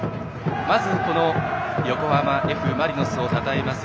まず、横浜Ｆ・マリノスをたたえます